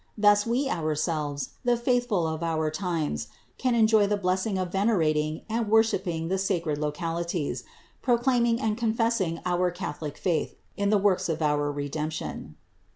Thus we ourselves, the faithful of our times, can enjoy the blessing of venerating and worshipping1 the sacred localities, proclaiming and confessing our Catholic faith in the works of our Redemption.